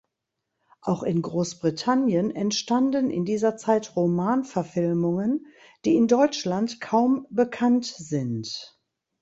Auch in Großbritannien entstanden in dieser Zeit Romanverfilmungen, die in Deutschland kaum bekannt sind.